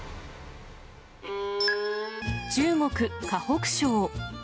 中国・河北省。